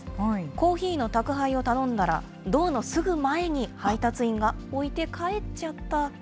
コーヒーの宅配を頼んだら、ドアのすぐ前に配達員が置いて帰っちゃった。